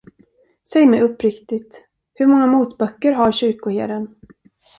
Säg mig uppriktigt: Hur många motböcker har kyrkoherden?